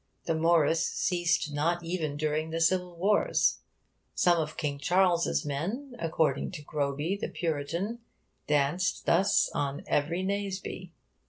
The Morris ceased not even during the Civil Wars. Some of King Charles's men (according to Groby, the Puritan) danced thus on the eve of Naseby.